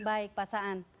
baik pak saan